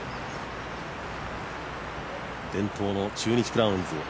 伝統の中日クラウンズ。